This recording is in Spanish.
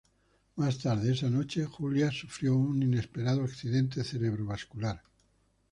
Más tarde esa noche, Juliá sufrió un inesperado accidente cerebrovascular.